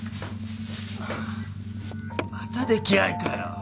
また出来合いかよ。